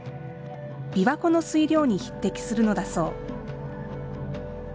琵琶湖の水量に匹敵するのだそう。